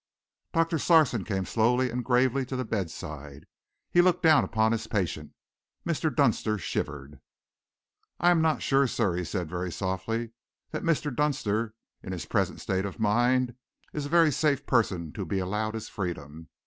Doctor Sarson came slowly and gravely to the bedside. He looked down upon his patient. Mr. Dunster shivered. "I am not sure, sir," he said very softly, "that Mr. Dunster, in his present state of mind, is a very safe person to be allowed his freedom.